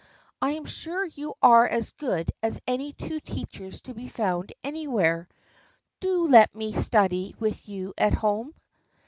I am sure you are as good as any two teachers to be found anywhere. Do let me study with you at home